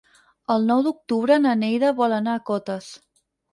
El nou d'octubre na Neida vol anar a Cotes.